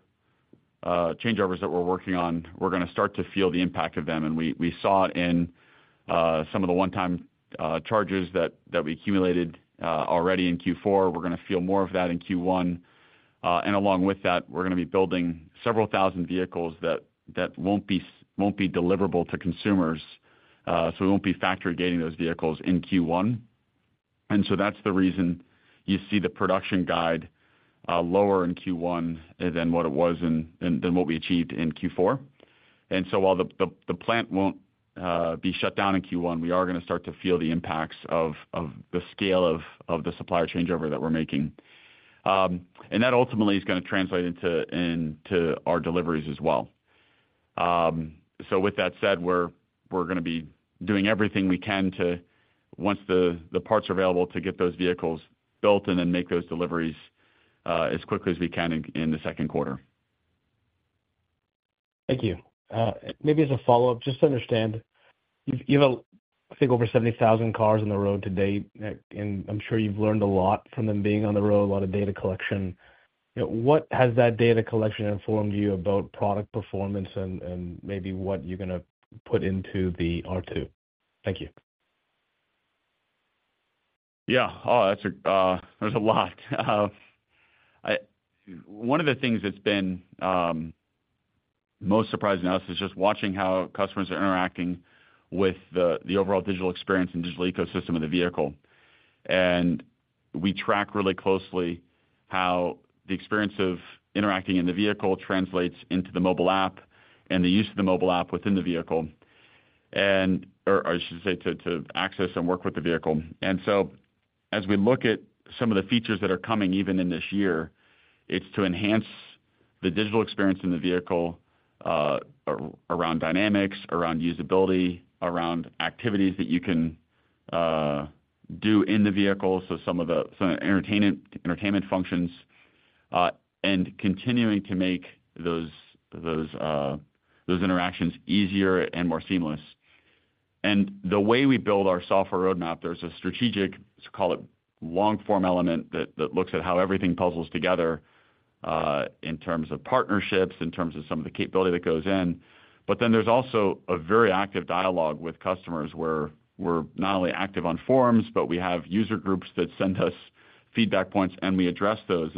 changeovers that we're working on, we're going to start to feel the impact of them. And we saw it in some of the one-time charges that we accumulated already in Q4. We're going to feel more of that in Q1. And along with that, we're going to be building several thousand vehicles that won't be deliverable to consumers. So we won't be factory gating those vehicles in Q1. And so that's the reason you see the production guide lower in Q1 than what it was and what we achieved in Q4. And so while the plant won't be shut down in Q1, we are going to start to feel the impacts of the scale of the supplier changeover that we're making. And that ultimately is going to translate into our deliveries as well. So with that said, we're going to be doing everything we can once the parts are available to get those vehicles built and then make those deliveries as quickly as we can in the second quarter. Thank you. Maybe as a follow-up, just to understand, you have, I think, over 70,000 cars on the road today. I'm sure you've learned a lot from them being on the road, a lot of data collection. What has that data collection informed you about product performance and maybe what you're going to put into the R2? Thank you. Yeah. Oh, there's a lot. One of the things that's been most surprising to us is just watching how customers are interacting with the overall digital experience and digital ecosystem of the vehicle. We track really closely how the experience of interacting in the vehicle translates into the mobile app and the use of the mobile app within the vehicle or I should say to access and work with the vehicle. So as we look at some of the features that are coming even in this year, it's to enhance the digital experience in the vehicle around dynamics, around usability, around activities that you can do in the vehicle, so some of the entertainment functions, and continuing to make those interactions easier and more seamless. The way we build our software roadmap, there's a strategic, call it, long-form element that looks at how everything puzzles together in terms of partnerships, in terms of some of the capability that goes in. Then there's also a very active dialogue with customers where we're not only active on forums, but we have user groups that send us feedback points, and we address those.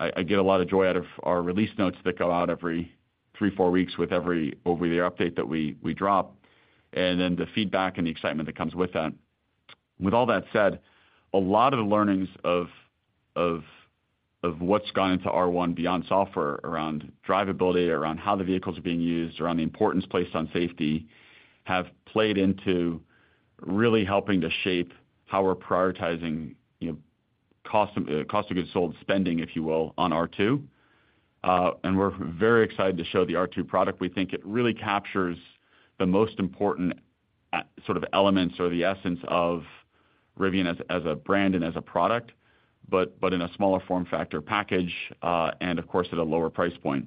I get a lot of joy out of our release notes that go out every 3-4 weeks with every over-the-air update that we drop and then the feedback and the excitement that comes with that. With all that said, a lot of the learnings of what's gone into R1 beyond software around drivability, around how the vehicles are being used, around the importance placed on safety have played into really helping to shape how we're prioritizing cost of goods sold, spending, if you will, on R2. We're very excited to show the R2 product. We think it really captures the most important sort of elements or the essence of Rivian as a brand and as a product, but in a smaller form factor package and, of course, at a lower price point.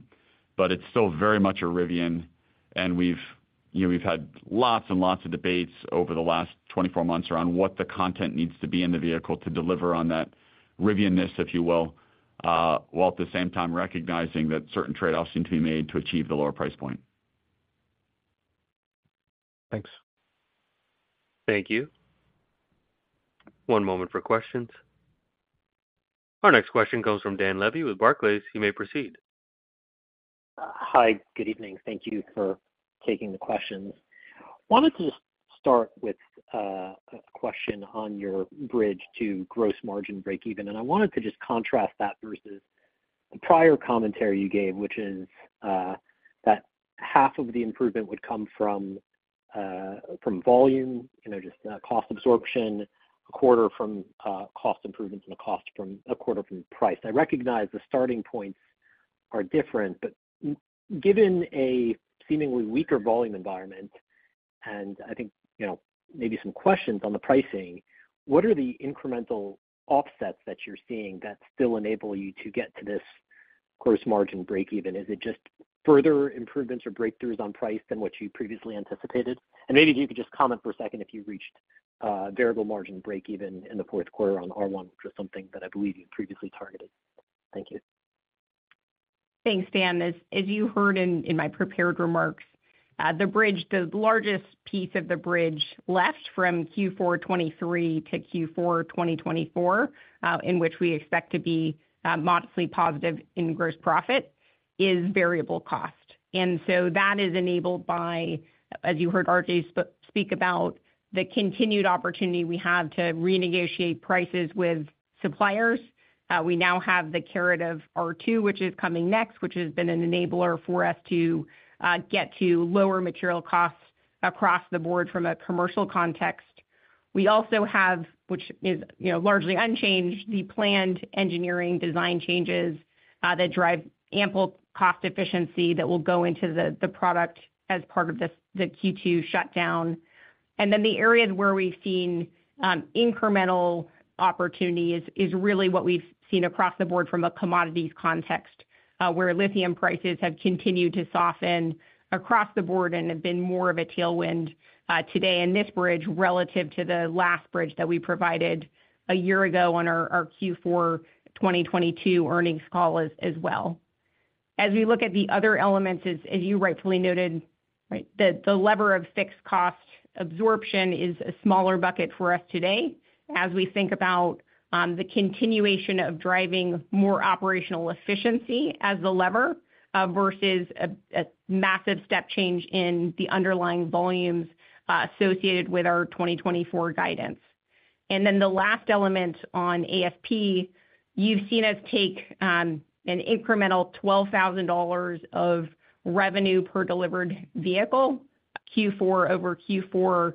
It's still very much a Rivian. We've had lots and lots of debates over the last 24 months around what the content needs to be in the vehicle to deliver on that Rivian-ness, if you will, while at the same time recognizing that certain trade-offs need to be made to achieve the lower price point. Thanks. Thank you. One moment for questions. Our next question comes from Dan Levy with Barclays. You may proceed. Hi. Good evening. Thank you for taking the questions. Wanted to just start with a question on your bridge to gross margin breakeven. I wanted to just contrast that versus the prior commentary you gave, which is that half of the improvement would come from volume, just cost absorption, a quarter from cost improvements, and a quarter from price. I recognize the starting points are different. But given a seemingly weaker volume environment and I think maybe some questions on the pricing, what are the incremental offsets that you're seeing that still enable you to get to this gross margin breakeven? Is it just further improvements or breakthroughs on price than what you previously anticipated? And maybe if you could just comment for a second if you reached variable margin breakeven in the fourth quarter on R1, which was something that I believe you previously targeted. Thank you. Thanks, Dan. As you heard in my prepared remarks, the largest piece of the bridge left from Q4 2023 to Q4 2024, in which we expect to be modestly positive in gross profit, is variable cost. And so that is enabled by, as you heard RJ speak about, the continued opportunity we have to renegotiate prices with suppliers. We now have the carrot of R2, which is coming next, which has been an enabler for us to get to lower material costs across the board from a commercial context. We also have, which is largely unchanged, the planned engineering design changes that drive ample cost efficiency that will go into the product as part of the Q2 shutdown. The areas where we've seen incremental opportunity is really what we've seen across the board from a commodities context, where lithium prices have continued to soften across the board and have been more of a tailwind today in this bridge relative to the last bridge that we provided a year ago on our Q4 2022 earnings call as well. As we look at the other elements, as you rightfully noted, the lever of fixed cost absorption is a smaller bucket for us today as we think about the continuation of driving more operational efficiency as the lever versus a massive step change in the underlying volumes associated with our 2024 guidance. The last element on AFP, you've seen us take an incremental $12,000 of revenue per delivered vehicle Q4-over-Q4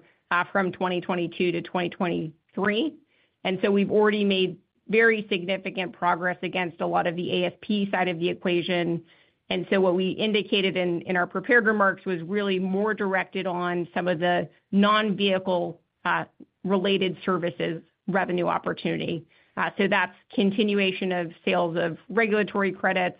from 2022-2023. We've already made very significant progress against a lot of the AFP side of the equation. What we indicated in our prepared remarks was really more directed on some of the non-vehicle-related services revenue opportunity. That's continuation of sales of regulatory credits.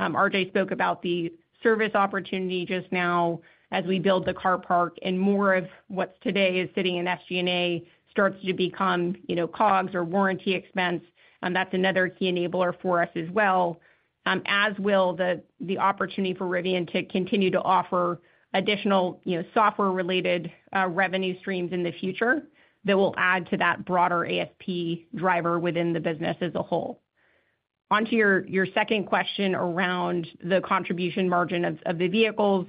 RJ spoke about the service opportunity just now as we build the car park. More of what today is sitting in SG&A starts to become COGS or warranty expense. That's another key enabler for us as well, as will the opportunity for Rivian to continue to offer additional software-related revenue streams in the future that will add to that broader AFP driver within the business as a whole. Onto your second question around the contribution margin of the vehicles,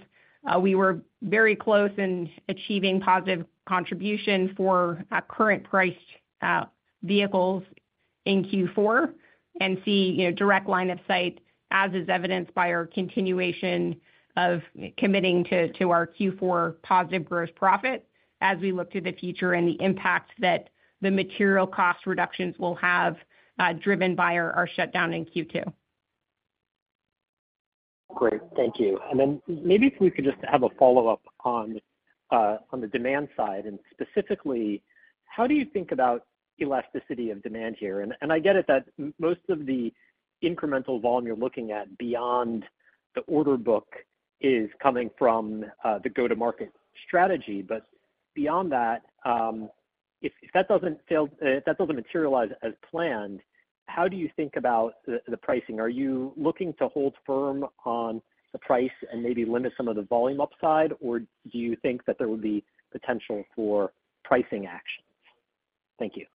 we were very close in achieving positive contribution for current-priced vehicles in Q4 and see direct line of sight, as is evidenced by our continuation of committing to our Q4 positive gross profit as we look to the future and the impact that the material cost reductions will have driven by our shutdown in Q2. Great. Thank you. And then maybe if we could just have a follow-up on the demand side and specifically, how do you think about elasticity of demand here? And I get it that most of the incremental volume you're looking at beyond the order book is coming from the go-to-market strategy. But beyond that, if that doesn't materialize as planned, how do you think about the pricing? Are you looking to hold firm on the price and maybe limit some of the volume upside, or do you think that there would be potential for pricing actions? Thank you.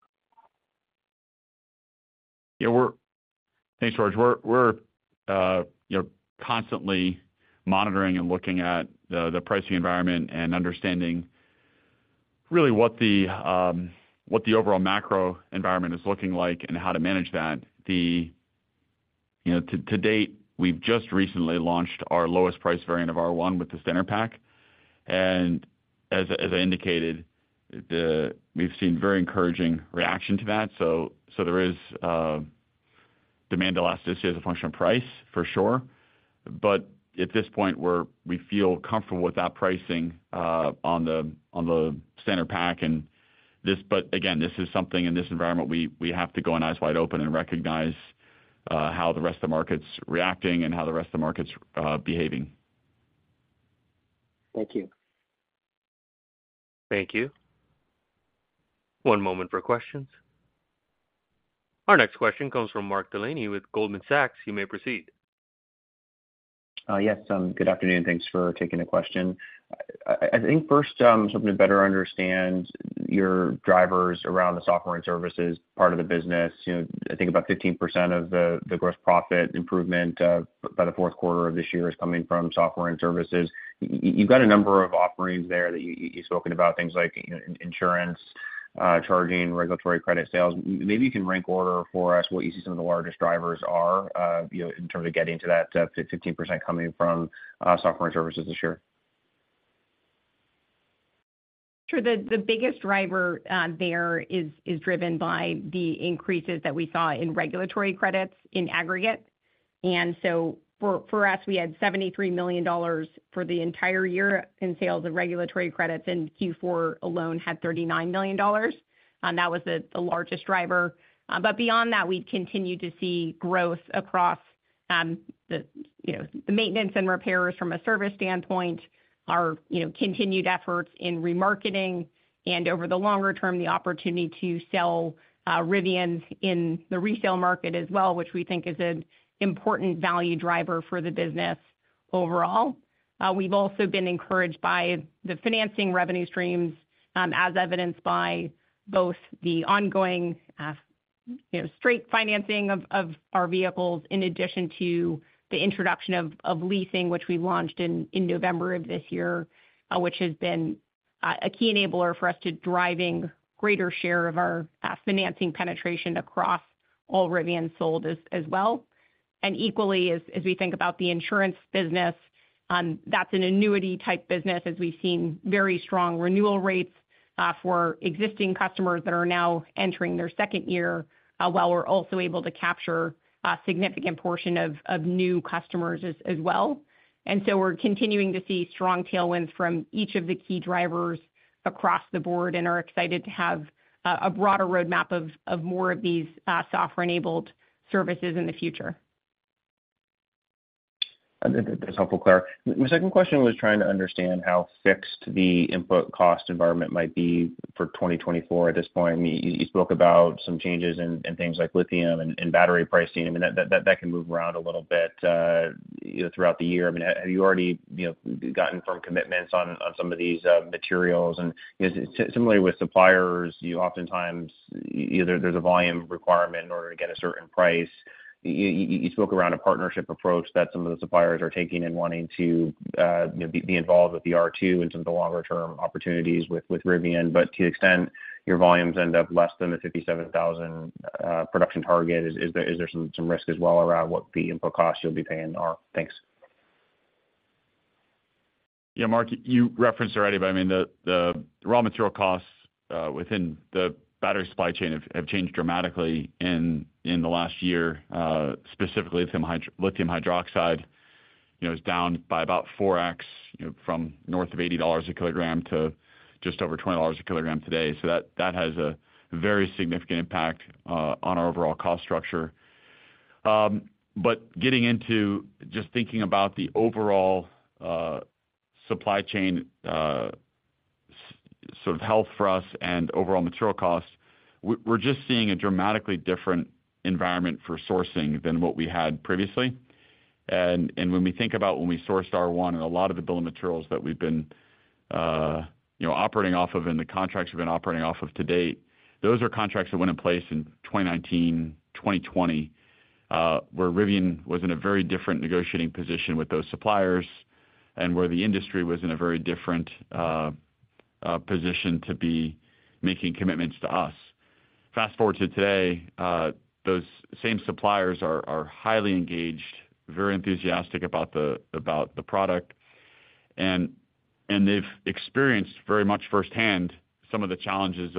Yeah. Thanks, George. We're constantly monitoring and looking at the pricing environment and understanding really what the overall macro environment is looking like and how to manage that. To date, we've just recently launched our lowest-price variant of R1 with the Standard Pack. And as I indicated, we've seen very encouraging reaction to that. So there is demand elasticity as a function of price, for sure. But at this point, we feel comfortable with that pricing on the Standard Pack. But again, this is something in this environment we have to go an eyes wide open and recognize how the rest of the market's reacting and how the rest of the market's behaving. Thank you. Thank you. One moment for questions. Our next question comes from Mark Delaney with Goldman Sachs. You may proceed. Yes. Good afternoon. Thanks for taking the question. I think first, just hoping to better understand your drivers around the software and services part of the business. I think about 15% of the gross profit improvement by the fourth quarter of this year is coming from software and services. You've got a number of offerings there that you've spoken about, things like insurance, charging, regulatory credit sales. Maybe you can rank order for us what you see some of the largest drivers are in terms of getting to that 15% coming from software and services this year. Sure. The biggest driver there is driven by the increases that we saw in regulatory credits in aggregate. So for us, we had $73 million for the entire year in sales of regulatory credits, and Q4 alone had $39 million. That was the largest driver. But beyond that, we'd continue to see growth across the maintenance and repairs from a service standpoint, our continued efforts in remarketing, and over the longer term, the opportunity to sell Rivian in the resale market as well, which we think is an important value driver for the business overall. We've also been encouraged by the financing revenue streams, as evidenced by both the ongoing straight financing of our vehicles in addition to the introduction of leasing, which we launched in November of this year, which has been a key enabler for us to drive a greater share of our financing penetration across all Rivian sold as well. And equally, as we think about the insurance business, that's an annuity-type business as we've seen very strong renewal rates for existing customers that are now entering their second year, while we're also able to capture a significant portion of new customers as well. And so we're continuing to see strong tailwinds from each of the key drivers across the board and are excited to have a broader roadmap of more of these software-enabled services in the future. That's helpful, Claire. My second question was trying to understand how fixed the input cost environment might be for 2024 at this point. I mean, you spoke about some changes in things like lithium and battery pricing. I mean, that can move around a little bit throughout the year. I mean, have you already gotten firm commitments on some of these materials? And similarly with suppliers, oftentimes, there's a volume requirement in order to get a certain price. You spoke about a partnership approach that some of the suppliers are taking and wanting to be involved with the R2 and some of the longer-term opportunities with Rivian. But to the extent your volumes end up less than the 57,000 production target, is there some risk as well around what the input costs you'll be paying are? Thanks. Yeah, Mark, you referenced already, but I mean, the raw material costs within the battery supply chain have changed dramatically in the last year. Specifically, lithium hydroxide is down by about 4X from north of $80 a kilogram to just over $20 a kilogram today. So that has a very significant impact on our overall cost structure. But getting into just thinking about the overall supply chain sort of health for us and overall material cost, we're just seeing a dramatically different environment for sourcing than what we had previously. When we think about when we sourced R1 and a lot of the bill of materials that we've been operating off of and the contracts we've been operating off of to date, those are contracts that went in place in 2019, 2020, where Rivian was in a very different negotiating position with those suppliers and where the industry was in a very different position to be making commitments to us. Fast forward to today, those same suppliers are highly engaged, very enthusiastic about the product. And they've experienced very much firsthand some of the challenges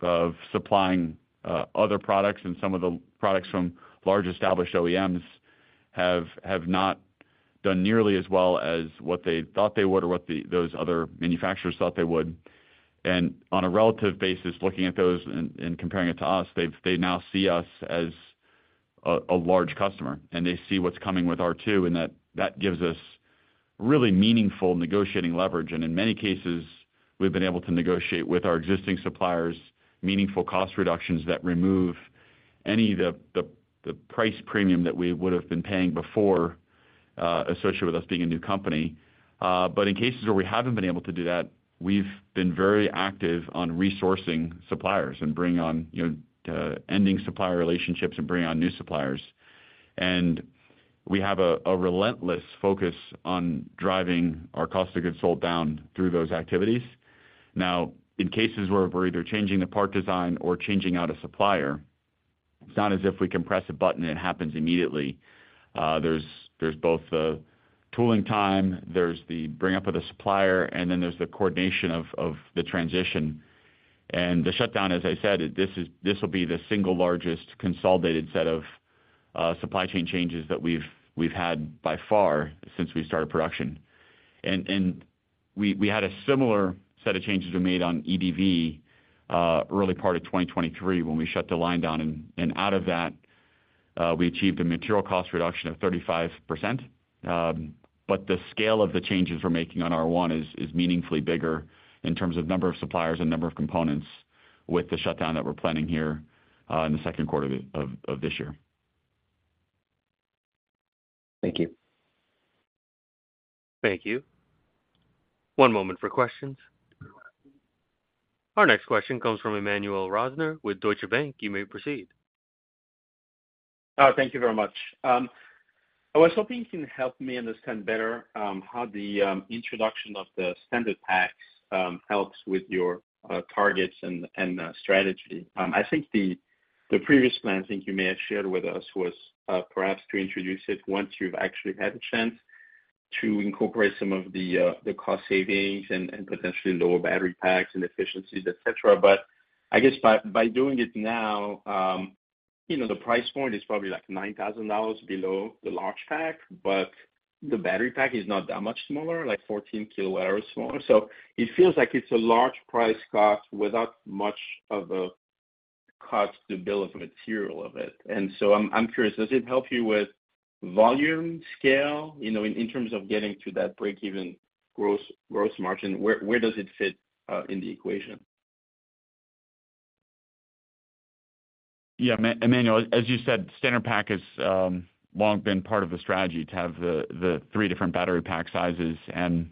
of supplying other products. And some of the products from large established OEMs have not done nearly as well as what they thought they would or what those other manufacturers thought they would. And on a relative basis, looking at those and comparing it to us, they now see us as a large customer. They see what's coming with R2, and that gives us really meaningful negotiating leverage. In many cases, we've been able to negotiate with our existing suppliers meaningful cost reductions that remove any of the price premium that we would have been paying before associated with us being a new company. In cases where we haven't been able to do that, we've been very active on resourcing suppliers and ending supplier relationships and bringing on new suppliers. We have a relentless focus on driving our cost of goods sold down through those activities. Now, in cases where we're either changing the part design or changing out a supplier, it's not as if we can press a button and it happens immediately. There's both the tooling time, there's the bring-up of the supplier, and then there's the coordination of the transition. The shutdown, as I said, this will be the single largest consolidated set of supply chain changes that we've had by far since we started production. We had a similar set of changes we made on EDV early part of 2023 when we shut the line down. Out of that, we achieved a material cost reduction of 35%. But the scale of the changes we're making on R1 is meaningfully bigger in terms of number of suppliers and number of components with the shutdown that we're planning here in the second quarter of this year. Thank you. Thank you. One moment for questions. Our next question comes from Emmanuel Rosner with Deutsche Bank. You may proceed. Thank you very much. I was hoping you can help me understand better how the introduction of the Standard Packs helps with your targets and strategy. I think the previous plan, I think you may have shared with us, was perhaps to introduce it once you've actually had a chance to incorporate some of the cost savings and potentially lower battery packs and efficiencies, etc. But I guess by doing it now, the price point is probably like $9,000 below the Large Pack, but the battery pack is not that much smaller, like 14 kilowatts or smaller. So it feels like it's a large price cost without much of a cost to bill of materials of it. And so I'm curious, does it help you with volume scale in terms of getting to that break-even gross margin? Where does it fit in the equation? Yeah, Emmanuel, as you said, Standard Pack has long been part of the strategy to have the three different battery pack sizes. And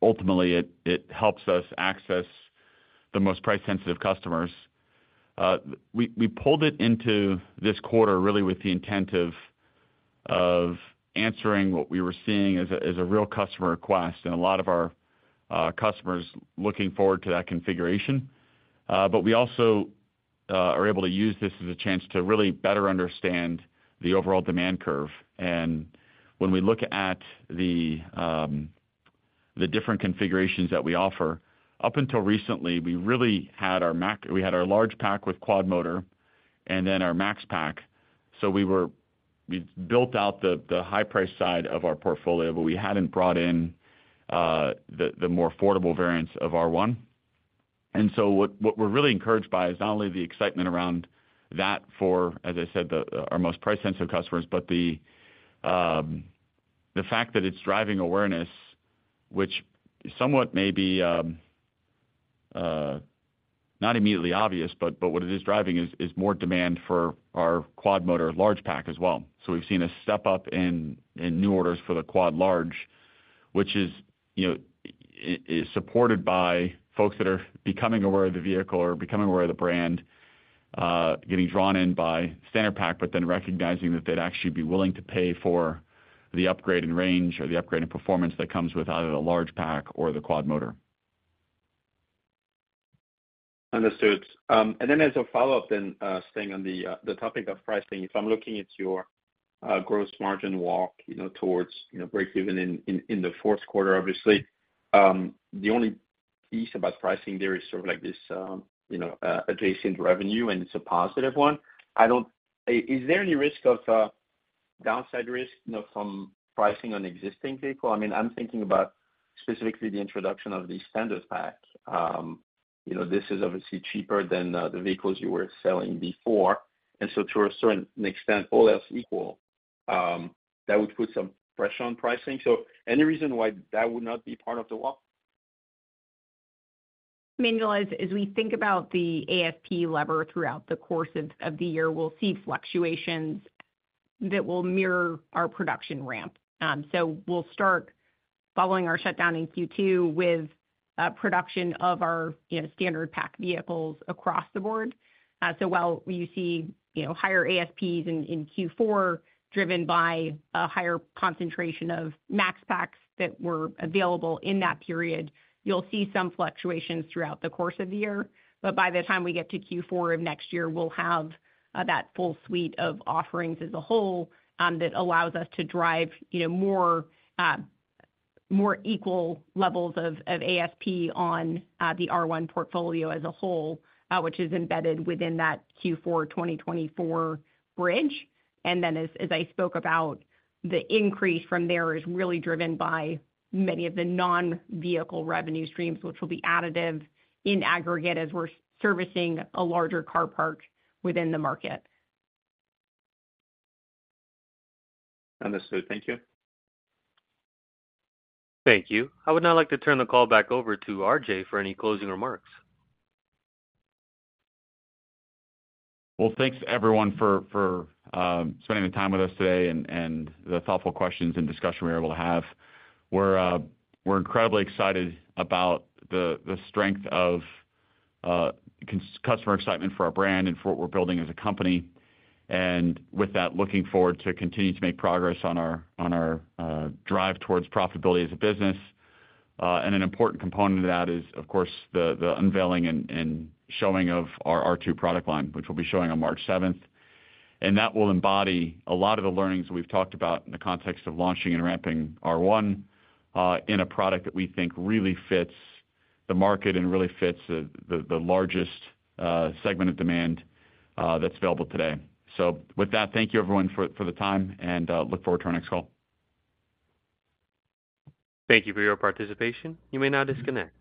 ultimately, it helps us access the most price-sensitive customers. We pulled it into this quarter really with the intent of answering what we were seeing as a real customer request and a lot of our customers looking forward to that configuration. But we also are able to use this as a chance to really better understand the overall demand curve. And when we look at the different configurations that we offer, up until recently, we really had our Large Pack with Quad-Motor and then our Max Pack. So we built out the high-price side of our portfolio, but we hadn't brought in the more affordable variants of R1. And so what we're really encouraged by is not only the excitement around that for, as I said, our most price-sensitive customers, but the fact that it's driving awareness, which somewhat may be not immediately obvious, but what it is driving is more demand for our Quad-motor Large Pack as well. So we've seen a step up in new orders for the Quad Large, which is supported by folks that are becoming aware of the vehicle or becoming aware of the brand, getting drawn in by Standard Pack, but then recognizing that they'd actually be willing to pay for the upgrade in range or the upgrade in performance that comes with either the Large Pack or the Quad-motor. Understood. Then, as a follow-up, staying on the topic of pricing, if I'm looking at your gross margin walk towards break-even in the fourth quarter, obviously, the only piece about pricing there is sort of this adjacent revenue, and it's a positive one. Is there any risk of downside risk from pricing on existing vehicles? I mean, I'm thinking about specifically the introduction of the Standard Pack. This is obviously cheaper than the vehicles you were selling before. And so to a certain extent, all else equal, that would put some pressure on pricing. So any reason why that would not be part of the walk? Emmanuel, as we think about the AFP lever throughout the course of the year, we'll see fluctuations that will mirror our production ramp. So we'll start following our shutdown in Q2 with production of our standard pack vehicles across the board. So while you see higher AFPs in Q4 driven by a higher concentration of Max packs that were available in that period, you'll see some fluctuations throughout the course of the year. But by the time we get to Q4 of next year, we'll have that full suite of offerings as a whole that allows us to drive more equal levels of AFP on the R1 portfolio as a whole, which is embedded within that Q4 2024 bridge. And then as I spoke about, the increase from there is really driven by many of the non-vehicle revenue streams, which will be additive in aggregate as we're servicing a larger car park within the market. Understood. Thank you. Thank you. I would now like to turn the call back over to RJ for any closing remarks. Well, thanks, everyone, for spending the time with us today and the thoughtful questions and discussion we were able to have. We're incredibly excited about the strength of customer excitement for our brand and for what we're building as a company. And with that, looking forward to continuing to make progress on our drive towards profitability as a business. And an important component of that is, of course, the unveiling and showing of our R2 product line, which we'll be showing on March 7th. And that will embody a lot of the learnings we've talked about in the context of launching and ramping R1 in a product that we think really fits the market and really fits the largest segment of demand that's available today. So with that, thank you, everyone, for the time, and look forward to our next call. Thank you for your participation. You may now disconnect.